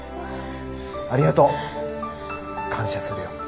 ありがとう。感謝するよ。